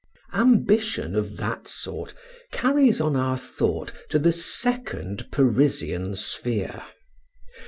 Ambition of that sort carries on our thought to the second Parisian sphere.